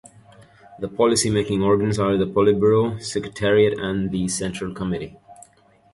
The policy-making organs are the Politburo, Secretariat and the Central Committee.